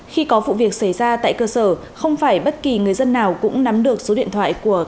khi có vụ việc xảy ra tại cơ sở không phải bất kỳ người dân nào cũng nắm được số điện thoại của các đối tượng